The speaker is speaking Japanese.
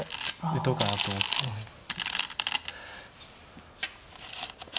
打とうかなと思ってました。